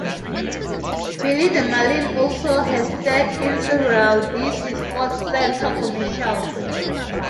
Billy the Marlin also has starred in several This is SportsCenter commercials.